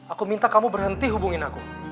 aku minta kamu berhenti hubungin aku